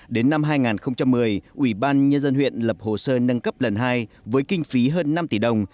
đến năm hai nghìn một mươi ủy ban nhân dân huyện lập hồ sơ nâng cấp lần hai với kinh phí hơn năm tỷ đồng